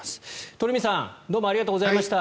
鳥海さんどうもありがとうございました。